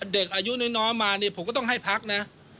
เด็กอายุน้อยมาเนี่ยผมก็ต้องให้พักนะ